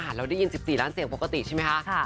เราได้ยิน๑๔ล้านเสียงปกติใช่ไหมคะ